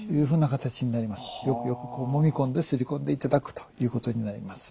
よくよくもみ込んで擦り込んでいただくということになります。